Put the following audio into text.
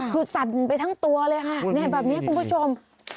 คือสั่นไปทั้งตัวเลยค่ะแบบนี้คุณผู้ชม